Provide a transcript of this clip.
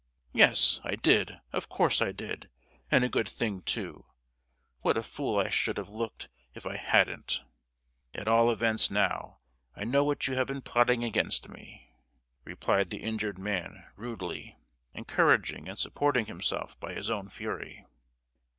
"Yes I did, of course I did; and a good thing too! What a fool I should have looked if I hadn't! At all events now I know what you have been plotting against me!" replied the injured man, rudely; encouraging and supporting himself by his own fury.